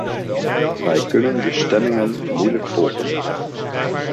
Wij kunnen de stemmingen moeilijk volgen.